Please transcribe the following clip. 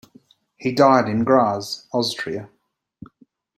He died in Graz, Austria.